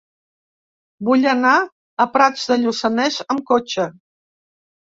Vull anar a Prats de Lluçanès amb cotxe.